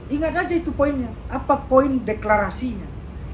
ingat aja itu poinnya apa poin deklarasinya